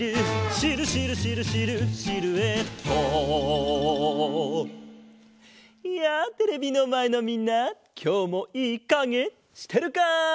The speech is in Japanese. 「シルシルシルシルシルエット」やあテレビのまえのみんなきょうもいいかげしてるか？